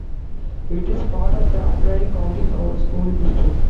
It is part of the Appling County School District.